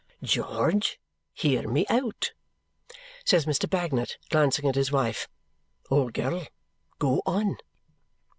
"George, hear me out!" says Mr. Bagnet, glancing at his wife. "Old girl, go on!"